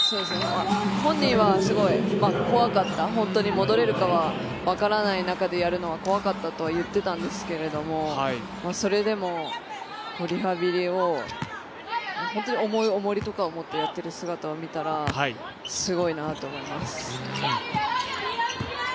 本人は、すごい怖かった本当に戻れるかは分からない中でやるのは怖かったと言っていたんですけどもそれでもリハビリを本当に重いおもりとかを持ってやっている姿を見たらすごいなと思います。